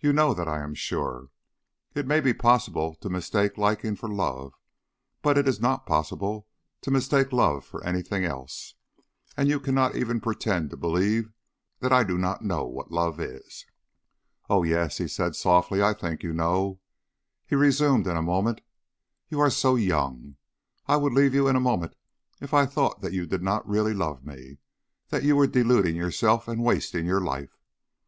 You know that I am sure. It may be possible to mistake liking for love, but it is not possible to mistake love for anything else. And you cannot even pretend to believe that I do not know what love is." "Oh, yes," he said softly, "I think you know." He resumed in a moment: "You are so young I would leave you in a moment if I thought that you did not really love me, that you were deluding yourself and wasting your life.